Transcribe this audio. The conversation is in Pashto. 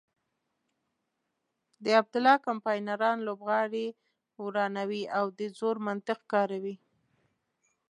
د عبدالله کمپاینران لوبغالی ورانوي او د زور منطق کاروي.